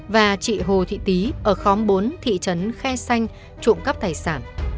và chị hồ thị tý ở khóm bốn thị trấn khe xanh trộm cắp tài sản